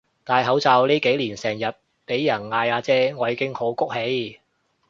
戴口罩呢幾年成日畀人嗌阿姐我已經好谷氣